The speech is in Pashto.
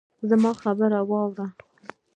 زما خبره واورئ